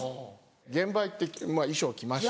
現場行って衣装着ました。